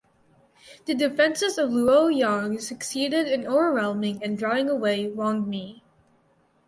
The defences of Luoyang succeeded in overwhelming and driving away Wang Mi.